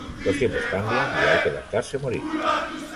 Los tiempos cambian y hay que adaptarse o morir